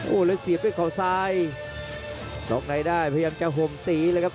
โอ้โหแล้วเสียบด้วยเขาซ้ายล็อกในได้พยายามจะห่มตีเลยครับ